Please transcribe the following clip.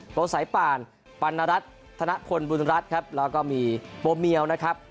สายป่านปัณรัฐธนพลบุญรัฐครับแล้วก็มีโบเมียวนะครับ